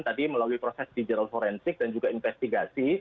tadi melalui proses digital forensik dan juga investigasi